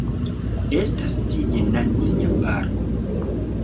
Estas tie nacia parko.